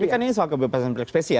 tapi kan ini soal kebebasan berekspresi ya